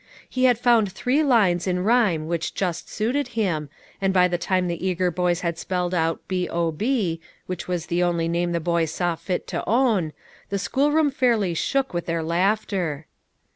He had found three lines in rhyme which just suited him, and by the time the eager boys had spelled out B O B, which was the only name the boy saw fit to own, the schoolroom fairly shook with their laughter.